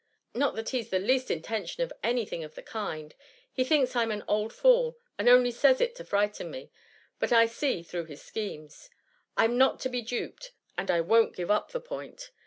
Not that he^s the least intention of any thing of the kind. He thinks I "^m an old fool, and only says it to frighten me : but I see through his schemes ! I ^m not to be duped, and I won^t give up the point.